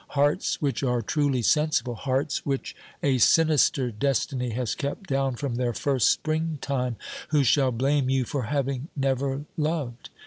Hearts which are truly sensible, hearts which a sinister destiny has kept down from their first spring time, who shall blame you for having never loved